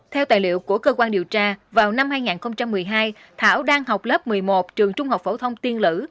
theo tài liệu của cơ quan điều tra vào năm hai nghìn một mươi hai thảo đang học lớp một mươi một trường trung học phổ thông tiên lữ